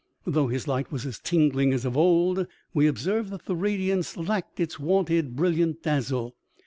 Though his light was as tingling as of old, we observed that the radiance lacked its wonted brilliant dazzle.